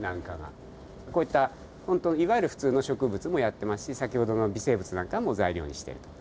こういった本当いわゆる普通の植物もやってますし先ほどの微生物なんかも材料にしてると。